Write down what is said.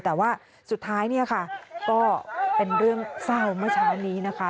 แต่ว่าสุดท้ายเนี่ยค่ะก็เป็นเรื่องเศร้าเมื่อเช้านี้นะคะ